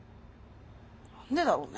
何でだろうね。